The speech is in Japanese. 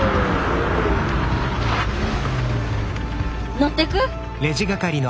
乗ってく？